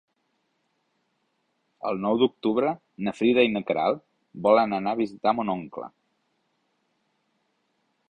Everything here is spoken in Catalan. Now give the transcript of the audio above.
El nou d'octubre na Frida i na Queralt volen anar a visitar mon oncle.